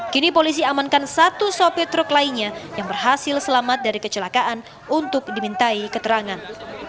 kini polisi amankan satu sopir truk lainnya yang berhasil selamat dari kecelakaan untuk dimintai keterangan